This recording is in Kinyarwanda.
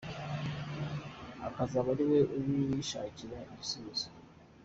akazaba ariwe ubishakiri igisubizo’.